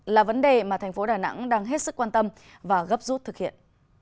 là vấn đề mà thành phố đà nẵng đang hết sức quan tâm và gấp rút thực hiện